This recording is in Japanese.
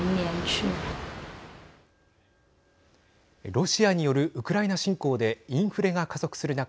ロシアによるウクライナ侵攻でインフレが加速する中